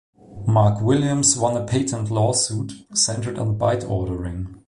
Mark Williams won a patent lawsuit centered on 'byte ordering'.